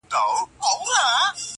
د بمونو راکټونو له هیبته -